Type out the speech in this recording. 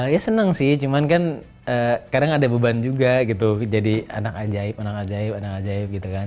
ya senang sih cuman kan kadang ada beban juga gitu jadi anak ajaib anak ajaib anak ajaib gitu kan